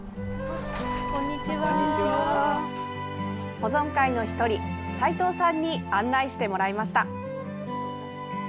保存会の１人、齊藤さんに案内してもらいました。